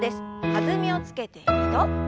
弾みをつけて２度。